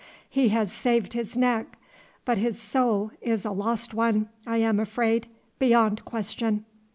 He has saved his neck, but his soul is a lost one, I am afraid, beyond question."